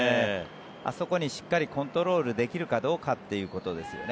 あそこにしっかりコントロールできるかどうかということですよね。